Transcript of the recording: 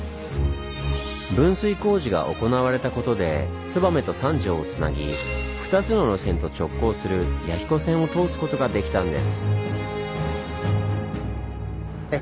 分水工事が行われたことで燕と三条をつなぎ２つの路線と直交する弥彦線を通すことができたんです。